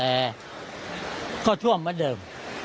แต่ก็ท่วมเหมือนเดิม